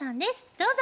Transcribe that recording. どうぞ。